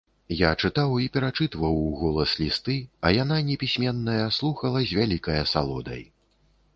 Я чытаў і перачытваў уголас лісты, а яна, непісьменная, слухала з вялікай асалодай.